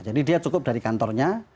jadi dia cukup dari kantornya